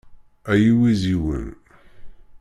Ay iwiziwen.